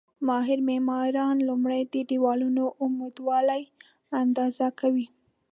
ماهر معماران لومړی د دېوالونو عمودوالی اندازه کوي.